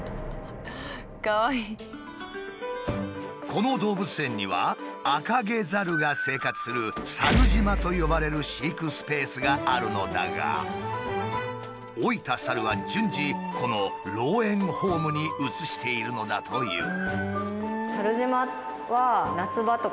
この動物園にはアカゲザルが生活する猿島と呼ばれる飼育スペースがあるのだが老いた猿は順次この老猿ホームに移しているのだという。